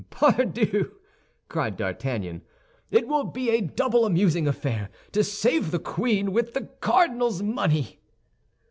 "Pardieu," cried D'Artagnan, "it will be a double amusing affair to save the queen with the cardinal's money!"